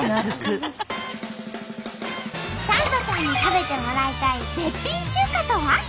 サンドさんに食べてもらいたい絶品中華とは？